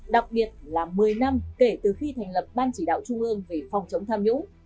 đặc biệt là một mươi năm kể từ khi thành lập ban chỉ đạo trung ương về phòng chống tham nhũng